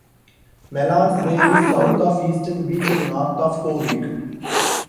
Mellons Bay is south of Eastern Beach and north of Howick.